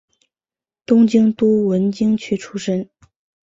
东京都文京区出身。